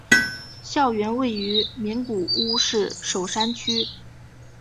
校园位于名古屋市守山区。